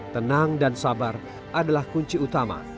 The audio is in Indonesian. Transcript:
tenang dan sabar adalah kunci utama